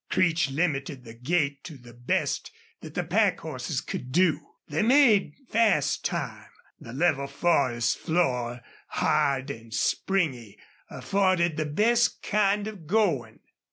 Creech limited the gait to the best that the pack horses could do. They made fast time. The level forest floor, hard and springy, afforded the best kind of going.